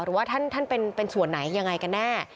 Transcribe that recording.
หรือว่าท่านเป็นส่วนไหนยังไงกันแน่